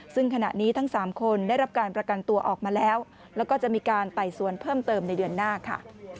ซึ่งขณะนี้ทั้ง๓คนได้รับการประกันตัวออกมาแล้วแล้วก็จะมีการไต่สวนเพิ่มเติมในเดือนหน้าค่ะ